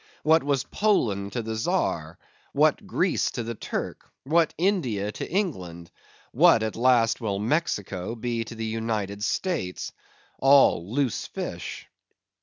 What was Poland to the Czar? What Greece to the Turk? What India to England? What at last will Mexico be to the United States? All Loose Fish.